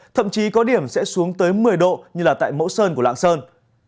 thậm chí có điểm sẽ xuống tới một mươi độ như là tại mẫu sơn của lạng sơn